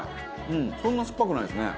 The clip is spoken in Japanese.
そんな酸っぱくないですね。